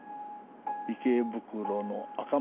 池袋の赤松。